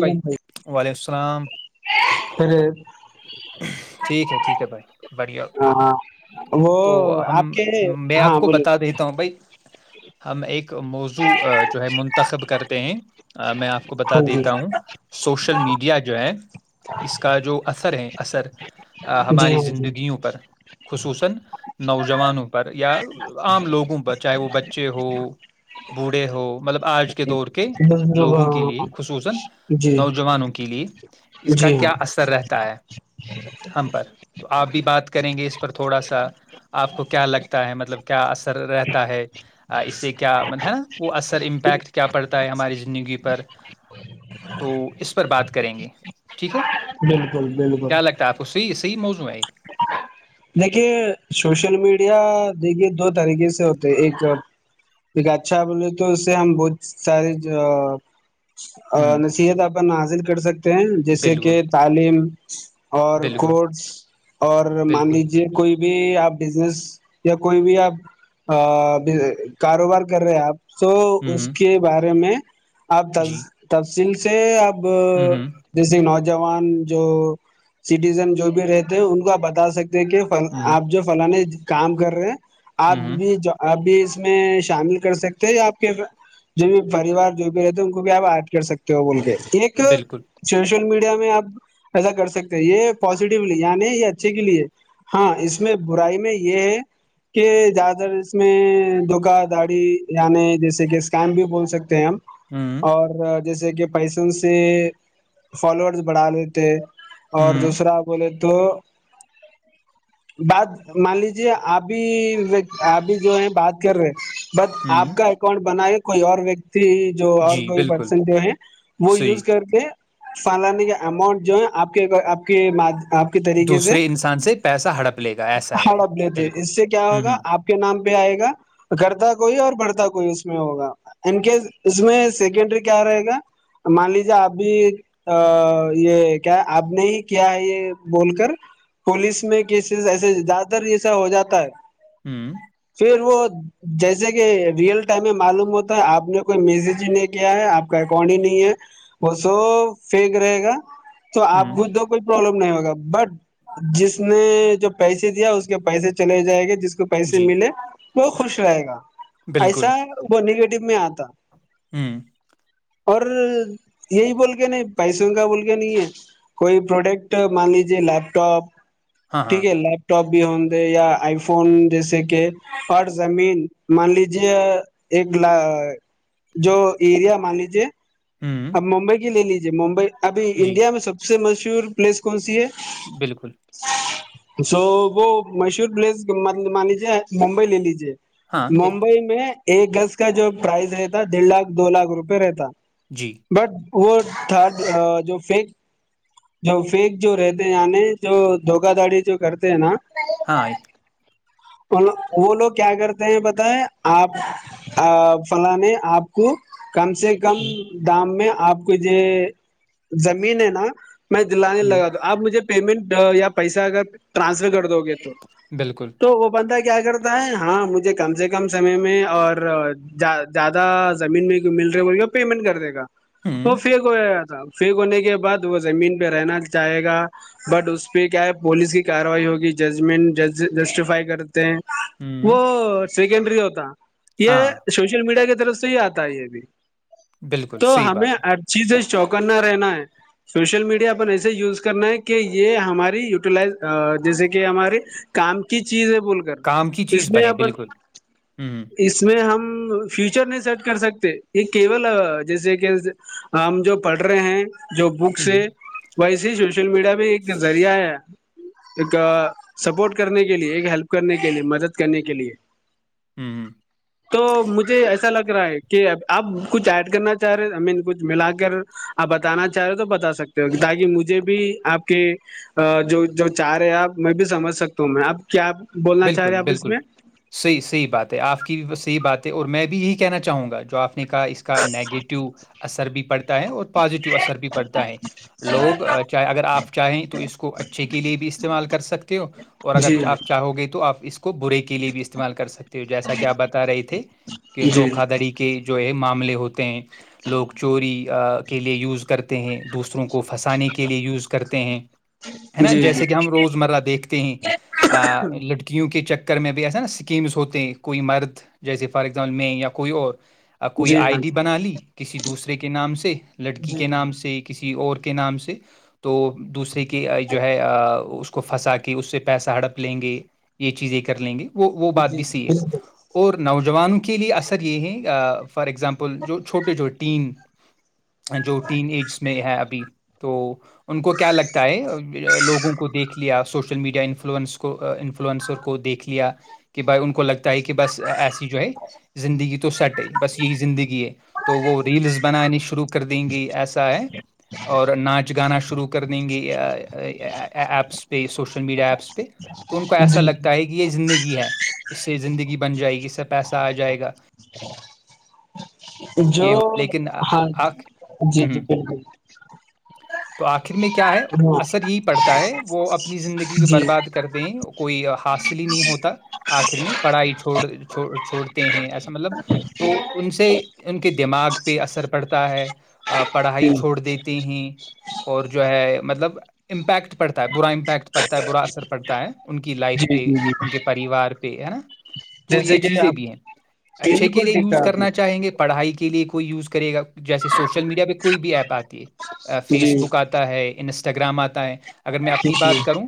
بھائی وعلیکم السلام ٹھیک ہے ٹھیک ہے بھائی بڑھیا ہاں وہ تو ہم آپ کے میں آپ ہاں کو بولیے بتا دیتا ہوں بھائی ہم ایک موضوع جو ہے منتخب کرتے ہیں میں آپ کو بتا ہاں جی دیتا ہوں سوشل میڈیا جو ہے اس کا جو اثر ہے اثر جی ہماری ہاں جی زندگیوں پر خصوص نوجوانوں پر یا عام لوگوں پر چاہے وہ بچے ہو دس روپہ لوگوں کے لیے خصوصا جی نوجوانوں کے لیے اس کا جی ہاں کیا اثر رہتا ہے ہم پر تو آپ بھی بات کریں گے اس پر تھوڑا سا آپ کو کیا لگتا ہے مطلب کیا اثر رہتا ہے اس سے کیا ہے نا وہ اثر امپیکٹ کیا پڑتا ہے ہماری زندگی پر تو اس پر بات کریں گے ٹھیک ہے بالکل بالکل کیا لگتا ہے آپ کو صحی صحی موزوں ہے یہ دیکھیے سوشل دیکھیے دو طریقے سے ہوتے ایک یک اچھا بولے تو اس سے ہم بہت ساری ا ہوں نصیحت آن سک ہیں جیسے بالکل کہ تعلیم اور بالکل کورس اور مان بالکل لیجیے کوئی بھی آپ بزنس یا کوئی بھی آپ کاروبار کر رہے آپ تو ہوں اس ہوں، کے بارے میں اب تب جی تب جن سے آپ ہوں ہوں جیس نوج جوان جو سٹیزن جو بھی رہتے ان کو بتا سکتے دیکھیے ہوں آپ جو فلانے کام کر رہے ہیں اب ہوں ہوں، بھی جو ابھی میں شامل کر سکتے ہیں یا آپ کے جو بھی پریوار جو بھی رہتے ان کو بھی آپ ایڈ کر سکتے ہو بول کے ایک بالکل سوشل میڈیا آپ ایسا کر سکتے یہ پزیٹیو یعنی یہ اچھے کے لیے ہاں اس میں برائی میں یہ ہے کہ زیادہ تر اس میں دکا داڑی یعنی جیسے کہ اسکم بھی بول سکتے ہیں ہم ہوں اور جیسے کہ پیسن سے فالوورس بڑھا لیتے اور ہوں دوسرا بولے تو بات مان لیجے ابھی ابھی جو ہے بات اکر بس ہوں آپ کا اکاؤنٹ بناائے کوئی اور و جو اور جی کوئی بالکل بنسن جو ہے وہ صحیح یوز کر کے فالانانی کا اماؤنٹ جو ہے آپ کے آپ کے آپ کے طریقے سے دوسرے انسان سے پیسہ ہڑپ لے گا ایسا ہے ہڑپ لیتے بالکل اس سے کیا ہوں ہوگا ہوں آپ کے نام پ آئے گا کرتا کوئی اور بڑھتا کوئی اس میں ہوگا ان کیس اس میں سیکنڈری کیا رہے گا مان لیجیے اب بھی یہ کیا آپ نے ہی کیا ہے یہ بول کر پولیس میں کیسز ایسے زیادہ تر جسا ہو جاتا ہے ہوں [unintelligible] وہ [unintelligible] جیسے کہ ریئل ٹائم میں معلوم ہوتا ہے آپ نے کوئی میسج ہی نہیں کیا ہے آپ کا اکاؤنٹ ہی نہیں ہے وہ سب فیک رہے گا تو آپ ہوں خ تو کوئی پرابلم نہیں ہوگا بٹ جس نے جو پیسے دیا اس کے پیسے چلے جائیں گے جس کو کو پیسے جی، ملے وہ خوش رہے گا بالکل، ایسا بنی گ میں آتا ہوں اور یہی بول کے نہیں پیسوں کا بول کے نہیں ہے کوئی پروڈکٹ مان لیجے لیپ ٹاپ ہاں، ہاں، ٹھیک ہے لیپپ ٹاپ بھی ہ دے یا آئی فون جیسے کہ ہر زمین مان لیجے ایک جو ایریا مان لیجے ہوں، اب ممبئی کی لے لیجیے جی ممبئی ابھی جی، انڈیا میں سب سے مشور ٹور پلیس کون سی ہے بالکل سو وہ مشہور پلیس مان لیجیے ممبئی لے لیجیے ہاں، لے ممبئی میں ایک گز کا جو پرائز رہتا ڈیڑھ لاکھ دو لاکھ روپے رہتا جی، بس وہ تھرڈ جو فیک جو فیک جو رہتے یعنی جو دھوکا دھڑی جو کرتے ہیں نا ہاں آئی وہ لوگ کیا کرتے ہیں بتیں آپ فلاان نے آپ کو کم سے کم ہوں، دام میں آپ کی یہ زمین ہے نا میں دلانے ہوں، لگا آپ مجھے پیمنٹ یا پیسہ اگر ٹانسفر کر دو گے تو بالکل تو وہ بندہ کیا کرتا ہے ہاں مجھے کم سے کم سمے میں اور زیادہ زمین میں مل رہے بول پیمنٹ کر دے گا ہوں، وہ فیک ہو فیک ہونے کے بعد وہ زمین پہ رہنا چاہے گا بٹ اس پہ کیا ہے پوولس کی کاروائی ہوگی ججمنٹ جس سفائی کرتے ہیں ہوں، وہ [unintelligible] سیکنڈری ہوتا یہ ہاں، سوشل میڈیا کے رف سے ہی آتا ہے یہ بھی بالکل تو صحیح ہمیں بات ہے، ہر چیزیں چوکنا رہنا ہے سوشل میڈیا اپن ایسے یوز کرنا ہے کہ یہ ہماری یٹیلائز جیسے کہ ہمارے کام کی چیز بول کر کام کی چیز اس میں بنے، اپن بالکل، ہوں، اس میں ہم فیوچر نہیں سیٹ کر سکتے یہ کیول جیسے کہ ہم جو پڑھ رہے ہیں جو بک ہوں، سے ویسی سوشل میڈیا میں ایک ذریعہ ہے کا سپورٹ کرنے کی ے ہیلپ کرنے کے لیے مدد کرنے کے لیے ہوں، تو مجھے ایسا لگ رہا ہے کہ آپ کچھ ایڈ کرنا چاہ رہے ہو آ مین کچھ ملا کر آپ بتانا چاہ رہے ہو تو بتا سکتے ہو تاکہ مجھے بھی آپ کے جو جو چار ہے آپ میں بھی سمجھ سکتا ہوں میں آپ کیاب بالکل بالکل صحیح صحی بات ہے آپ کی بھی وہ صحیح بات ہے اور میں بھی یہی کہنا چاہوں گا جو آپ کا اس کا نگیٹو اثر بھی پڑتا ہے اور پازیٹو اثر بھی پڑتا ہے لوگ چاہ اگر آپ چاہیں تو اس کو اچھے کے لیے بھی استعمال کر سکتے ہو اور جی اگر ہاں آپ چاہو گے تو تو آپ اس کو برے کے لیے بھی استعمال کر سکتے ہو جیسا کہ آپ بتا رہے تھے کہ جی دھوکھا دڑی کے جو ہے مام عملے ہوتے ہیں لوگ چوری کے لیے یوز کرتے ہیں دوسرے روں کو پنسانے کے لیے یوز کرتے ہیں ہے نا جی جی جیسے کہ ہم روز مرہ دیکھتے ہیں آ لڑکیوں کے چکر کر میں بھی ایسا نا اسکیمز ہوتے ہیں کوئی مرد جیسے فار ایگزامپل میں یا کوئی اور کوئی جی آئی ہاں ڈی بنا لی کسی دوسرے کے نام سے لڑکی جی کے ہاں نام سے کسی اور کے نام سے تو دوسرے کی کہ جو ہے اس کو پنسا کے اس سے پیسہ ہڑپ لیں گے یہ چیزیں کر لیں گے وہ وہ بات بھی جی سی ہے بالکل اور نوج جوانوں کے لیے اثر یہ ہے فار ایگزامپل جو چھوٹے جو ٹین جو ین ایج میں ہے ابھی تو ان کو کیا لگتا ہے لوگوں کو دیکھ لیا سوش شل میڈیا انفلوئنس کو فلوئنس کو دیکھ لیا کہ بھائی ان کو لگتا ہے کہ بس ایسی جو ہے زندگی تو سیٹ ہے بس یہی زندگی ہے تو وہ ریلس بنانی شروع کر دیں گی ایسا ہے اور ناچ گانا شروع کر دیں گے ایپس پہ سوشل میڈیا ایپس پہ ایسا جی لگتا ہے کہ یہ زندگی ہے اس سے زندگی بن جائے گی اس سے پیسہ آ جائے گا جو یہ ہو لیکن آ- آ- ہاں آ- ہوں جی جی ہوں بالکل تو آخر میں کیا ہے اثر یہی پڑتا ہے وہب [unintelligible] اپنی زندگی جی جی جی برباد کر دیں کوئی حاصل ہی نہیں ہوتا آخر میں پڑھائی چھڑ چھوڑتے ہیں ایسا مطلب تو ان سے ان کے دماغ پہ اثر پڑتا ہے پڑھائی چھوڑ دیتے ہیں اور جو ہے مطلب امپیکٹ پڑتا ہے برا امپیکٹ پڑتا ہے برا اثر پڑتا ہے کی لائف پہ جی ان کے پریوار پہ ہے نا تو یہ جیسے کہ چیزیں آپ بھی ہیں اچھے کے بالکل لیے ٹھیک یوز ہے آپ نے کرنا چاہیں گے پڑھائی کے لیے کوئی یوز کرے گا جیسے سوشل میڈیا پہ کوئی بھی ایپ آتی ہے جی فیس بک آتا ہے انسٹا انسٹاگرام آتا ہے اگر میں اپنی جی بات کروں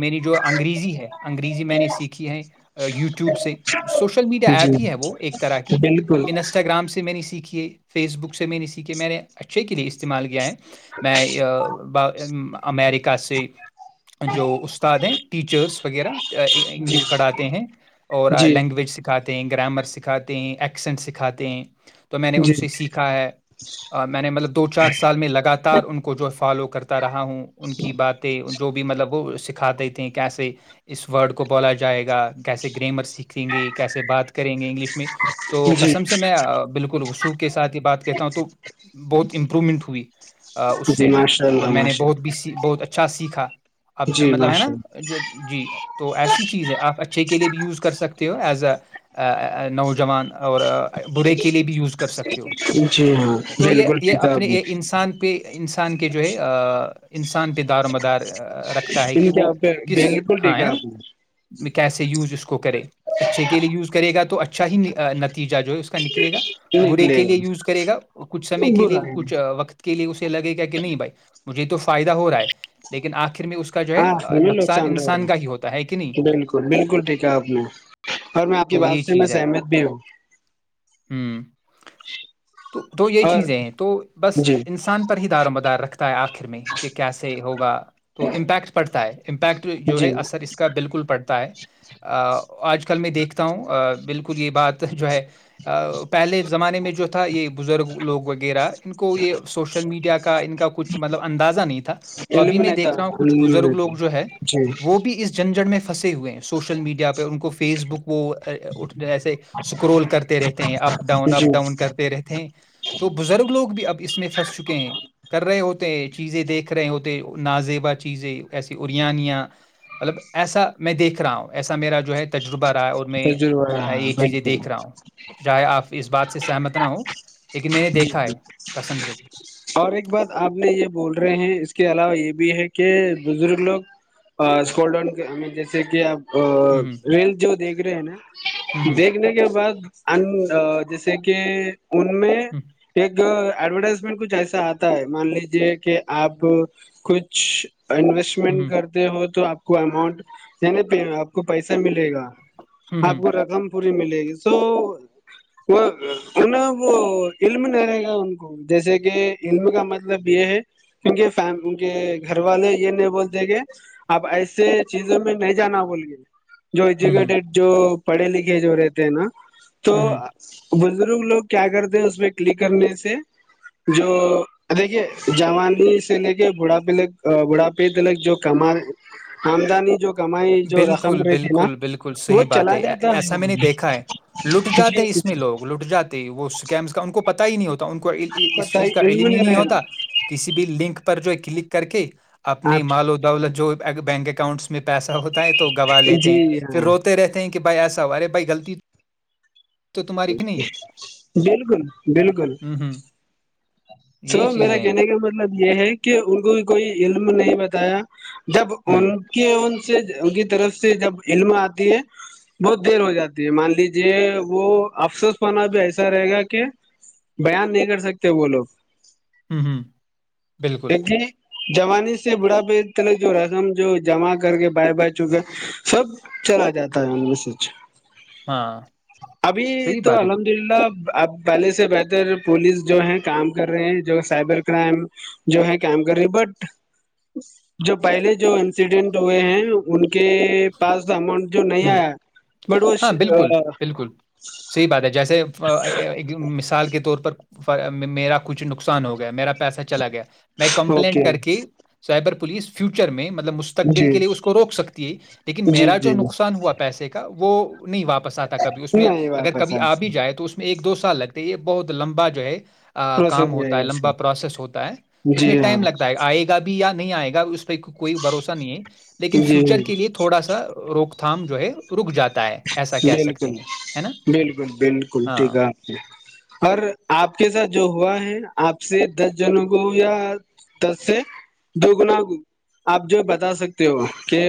میری جو انگریزی ہے انگریزی میں نے سیکھی ہے یوٹیوب سے سوشل میڈیا ایپ ہی ہے وہ ایک طرح جی کی بالکل انسٹاگرام سے میں نے سیکھی ہے فیس بک سے میں نے اسی کے میں نے اچھے کے لیے استعمال کیا ہے میں ا ب امیریکہ سے جو استاد ہیں ٹیچرس وغیرہ جی انگلش پڑھاتے ہیں اور جی لینگویج سکھاتے ہیں گرامر سکھاتے ہیں ایکسینٹ سکھاتے ہیں تو میں نے ان جی سے سیکھا ہے میں نے مطلب دو چار سال میں لگاتار ان کو جو فالو کرتا رہا ہوں ان کی باتیں جو بھی مطلب وہ س کاتی کیسے اس ورڈ کو بولا جائے گا کیسے گریمر س کھیں گے کیسے بات کریں گے انگلش میں تو جی کسم سے میں بالکل وصوب کے سھ ہی بات کہتا ہوں تو بہت امپرومنٹ ہوئی اس جی سے ماشاء اور اللہ میں نے ماشاء بہت بھی س بہت اچھا سیکھا کھھا جی میںحش جی تو ایسی چیز ہے آپ اچھے کے لیے بھی یوز کر سکتے ہو ایز ا نوجوان اور برے کے لیے بھی یوز کر سکتے ہو اللہ جی ہاں تو یہ بالکل یہ ٹھیک ہے آپ اپنے نے انسان پہ انسان کے جو ہے انسان کے دار و مدار رکھتا ہے کہ وہ آپ بنگلور ے کے آپ و کیسے وز اس کو کرے اچھے کے لیے یز کرےا تو اچھا چاہ نتیجے جو ہے اس کا نکلے گا برے کے لیے یوز کرے گا کچھ سمے کے لیے برا ہے کچھ وقت کے لیے اسے لگے گا کہ نہیں بھائی مجھے تو فائدہ ہو رہا ہے لیکن آپ کے میں اس کا جو ہاں ہے ہمیں نق نقصان رہ رہا بالکل بالکل ٹھیک ہے آپ نے اور میں آپ کی تو بات یہ سے میں چیز ہے سہمت بھی ہوں ہوں تو دو یہ اور چیزیں ہیں تو بس جی انسان پر ہی دار مدار رکھتا ہے آخر آخھر میں کہ کیس ہوگا تو امپیکٹ پڑتا ہے بیک جو جی ہے اثر اس کا بالکل پڑتا ہے آج کل میں دیکھتا ہوں بالکل یہ بات جو ہے پہلے زمانے میں جو تھا یہ بزرگ لوگ وغیرہ ان کو یہ سوشل میڈیا کا ان کا کچھ مطلب اندازہ نہیں تھا تو ابھی علم میں نہیں تھا دیکھ رہا ہوں کچھ علم بزرگ نہیں لوگ تھا وہ جی بھی اس جگہ جنجڑ میں پنسے ہوئے ہیں سوشل میڈیا پہ ان کو فیس بک وہ ایسے اسکرول کرتے رہتے ہیں اپ ڈاؤن جی اپ ڈاؤن کرتے رہتے ہیں تو بزرگ لوگ بھی اب اس میں پھنس چکے ہیں کر رہے ہوتے ہیں چیزیں دیکھ رہے ہوتے نازیبا چیزیں ایسی اورانیا مطلب ایسا میں دیکھ رہا ہوں ایسا میرا جو ہے تجربہ رہا ہے اور میں تجربہ رہا یہ چیزیں بالکل دیکھ رہا ہوں چاہے آپ اس بات سے سہمت نہ ہو ایک جی ج اور ایک بات آپ نے یہ بول رہے ہیں اس کے علاوہ یہ بھی بھی ہے کہ بزرگ لوگ اسکول ڈون جیسے کہ آپ ہوں ا رینل جو دیکھ رہے ہیں نا ہوں ہوں دیکھنے کے بعد ان جیسے کہ ان [unintelligible] ہوں ایک [unintelligible] ایڈورٹائزمنٹ کچھ ایسا آتا ہے مان لیجے کہ آپ کچھ انویسٹمنٹ ہوں کرتے ہو تو آپ کو اماؤنٹ پ آپ کو پیسہ ملے گا ہوں آپ ہوں کو رقم پوری ملے گی س وہ نا وہ علم نہیں رہے گا ان کو جیسے کہ علم کا مطلب یہ ہے کی ان کے گھر والے یہ نہیں بولتے کہ اب ایسے چیزوں میں نہیں جانا بول گے جو ہوں ہوں ایجوکیٹیڈ جو [unintelligible] پڑھے لکھے جو رہتے ہیں نا تو ہوں ہوں [unintelligible] بزرگ لوگ کیا کرتے ہیں اس میں کرنے سے جو دیکھیے جوانی سے لے کے بڑھاپے لک بڑھاپے تلک جو کم آمدانی جو کمائی جو رقم بالکل رہتی نا بالکل بالکل وہ صحیح بات چلا ہے جاتا ایسا وہ میں نہیں دیکھا ہے لٹ جی جاتے اس میں پت لوگ لٹ جاتے ہیں وہ اسکیمس کا ان کو پت ت ہی نہیں ہوتا ان کو اس ہی چیز کا علم ہی نہیں رہے ہوتا گا کسی بھی لنک پر جو ہے کلک کر کے اپنی آپ مال و دولت جو بینک اکاؤنٹس میں پیسے ہوتا ہے تو گوا لیتے ہیں جی پھر ہاں روتے رہتے ہیں کہ کہ بھائی ایسا ہوا رہے بھائی غلطی تو تمہاری کی نہیں بالکل بالکل ہوں، ہوں، [unintelligible] سو یہی میرا چیزیں ہیں، کہنے کیا مطلب یہ ہے کہ ان کو کوئی علم نہیں بتایا جب ہوں، ان کے ان [unintelligible] ان کی طرف سے جب علم آتی ہے بہت دیر ہو جاتی ہے مان لیجیے وہ افسوس ہواننا بھی ایسا رہے گا کہ بیان نہیں کر سکے تو بولو [unintelligible] ہوں ہوں بالکل جوانی سے بھا پلح جو رسم جو جمع کر کے بائے بائے چک سب چلا جاتا ہے ان میں سے ہاں، ابھی صحیح تو بات ہے، الحمد للہ آپ پہلے سے بہتر پولیس جو ہے کام کر رہے ہیں جو سائبر کرائم جو ہے کام کر رہی بٹ جو پہلے جو انسیڈنٹ ہوئے ہیں ان کے کہ پچ دامن [unintelligible] ہوں ہاں بالکل بالکل صحیح بات ہے جیسے مثال کے طور پر میرا کچھ نقصان ہو گیا میرا پیسہ چلا گیا میں کمپلینٹ اوکے کر کے سائبر پ پلیس فیوچر میں مستقبل جی کے لیے اس کو روک سکتی ہے لیکن جی میرا جو جی جی نقصان ہوا پیسے کا وہ نہیں واپ بس آتا کبھی اس میں نہیں اگر واپس کبھی آ بھی جائے تو اس میں ایک دو سال لگتے یہ بہت لمبا جو ہے پروسیس کام ہوتا جائے ہے گا اس کا لمبا پروسیس ہوتا ہے تو اس میں جی ہاں ٹائم لگتا ہے آئے گا بھی یا نہیں آئے گا اس کوئی بھروسہ نہیں ہے لیکن فیوچر جی کے لیے تھوڑا سا روکتا تھام جو ہے رک جاتا سکتے بالکل ہیں ہے نا بالکل بالکل ہاں ٹھیکا آپ نے اور آپ کے ساتھ جو ہوا ہے آپ سے دس جنوں کو یا دس سے دو گنا کو آپ جو بتا سکتے ہو کہ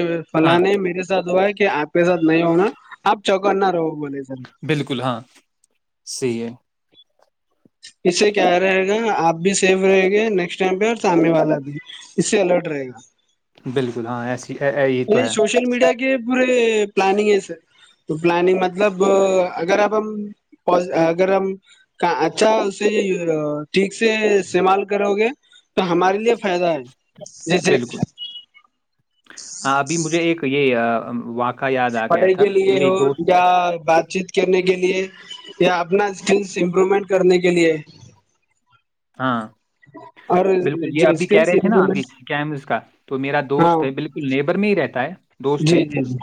ہاں فلانے میرے ساتھ ہوا ہے کہ آپ کے ساتھ نہیں ہونا آپ چوکنہ رہو بولے سر بالکل ہاں صحیح ہے اس سے کیا رہے گا آپ بھی سیف رہےیں گے نیکسٹ ٹائم پہ اور سامنے والا بھی اس سے الرٹ رہے گا بالکل ہاں ایسی اے- اے- تو یہ ہے سوشل میڈیا کی پورے پلانگ ہے سر تو پلاننگ مطلب اگر اب ہم اگر ہم اچھا اس سے ٹھیک سے استعمال کرو گے تو ہمارے لیے فائدہ ہے جیسے بالکل ہاں ابھی مجھے ایک یہ وق پڑھائی کے لیے ہو یا بات چ کرنے کے لیے یا اپنا اسکلس امپرومنٹ کرنے کے لیے ہاں اور بالکل یہ جو ابھی کہہ اسکلس رہے تھے نا امپرومنٹ آفظ کیمز کا تو میرا ہاں دوست ہے بالکل نیبر میں ہی رہتا ہے دوست جی ہے جی جی